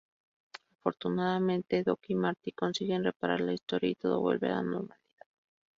Afortunadamente, Doc y Marty consiguen reparar la historia y todo vuelve a la normalidad.